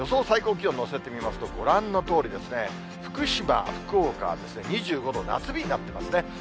最高気温載せてみますと、ご覧のとおりですね、福島、福岡は２５度、夏日になってますね。